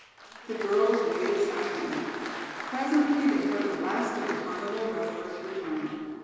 The girls waited silently. Presently they heard the last of the carnival revellers return.